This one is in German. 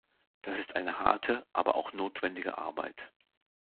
Das ist eine harte, aber auch notwendige Arbeit.